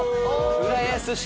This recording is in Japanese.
浦安市。